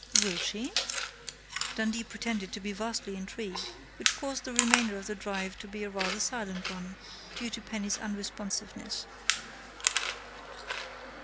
"Will she?" Dundee pretended to be vastly intrigued, which caused the remainder of the drive to be a rather silent one, due to Penny's unresponsiveness.